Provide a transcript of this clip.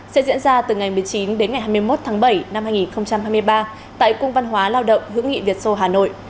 sẽ diễn ra từ ngày một mươi chín đến ngày hai mươi một tháng bảy năm hai nghìn hai mươi ba tại cung văn hóa lao động hữu nghị việt sô hà nội